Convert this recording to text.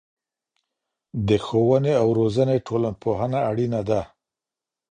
د ښوونې او روزنې ټولنپوهنه اړينه ده.